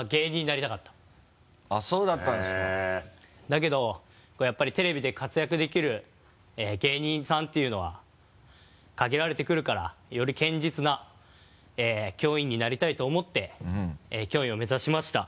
だけどやっぱりテレビで活躍できる芸人さんっていうのは限られてくるからより堅実な教員になりたいと思って教員を目指しました。